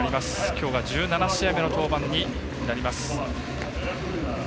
きょうは１７試合目の登板になります。